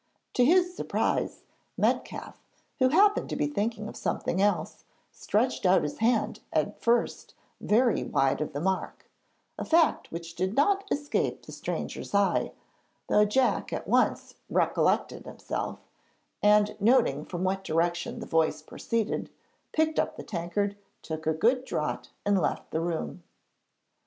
To his surprise, Metcalfe, who happened to be thinking of something else, stretched out his hand at first very wide of the mark, a fact which did not escape the stranger's eye, though Jack at once recollected himself, and, noting from what direction the voice proceeded, picked up the tankard, took a good draught and left the room.